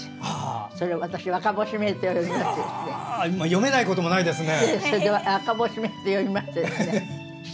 読めないこともないですね。